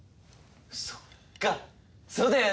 そっかそうだよね！